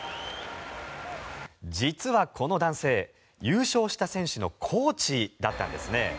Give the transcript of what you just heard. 実はこの男性、優勝した選手のコーチだったんですね。